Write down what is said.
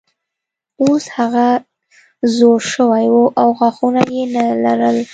اوس هغه زوړ شوی و او غاښونه یې نه لرل.